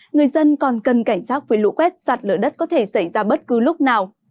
người dân còn cần cảnh giác với lũ quét sạt lở đất có thể xảy ra bất cứ lúc nào